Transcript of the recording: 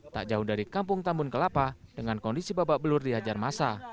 tak jauh dari kampung tambun kelapa dengan kondisi babak belur dihajar masa